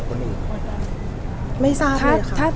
กรณีสุดท้าย